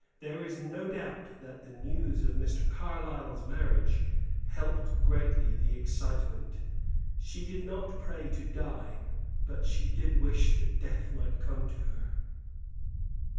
There is no doubt that the news of Mr. Carlyle's marriage helped greatly the excitement. She did not pray to die, but she did wish that death might come to her.